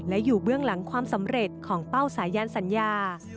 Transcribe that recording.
และอยู่เบื้องหลังความสำเร็จของเป้าสายันสัญญา